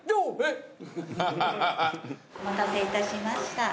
お待たせいたしました。